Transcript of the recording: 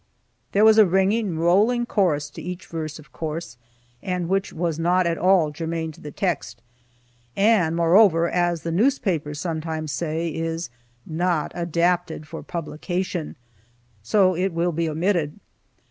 There was a ringing, rolling chorus to each verse, of course, and which was not at all germane to the text, and, moreover, as the newspapers sometimes say, is "not adapted for publication," so it will be omitted.